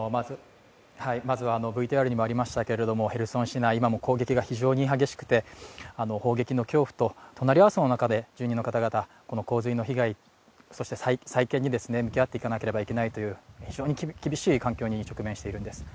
まずはＶＴＲにもありましたけれども、ヘルソン市内今も攻撃が非常に激しくて砲撃の恐怖と隣り合わせの中で住民の方々、この洪水の被害、そして再建に向き合っていかなければならない、非常に厳しい環境に直面しているんです。